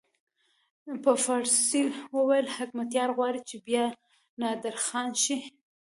ده په فارسي وویل حکمتیار غواړي چې بیا نادرخان شي.